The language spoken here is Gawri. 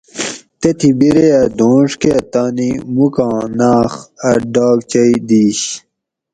تتھیں بیرے اۤ دونڄ کہۤ تانی موکاں ناۤخ اۤ ڈاگچئ دِیش